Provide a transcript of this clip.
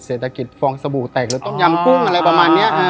เศรษฐกิจฟองสบู่แตกหรือต้มยำกุ้งอะไรประมาณนี้